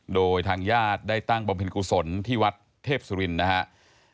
โดยทางญาติได้ตั้งบำเพ็ญกุศลที่วัดเทพสุรินทร์นะครับ